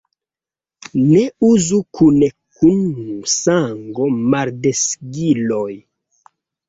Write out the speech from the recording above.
Ne uzu kune kun sango-maldensigiloj.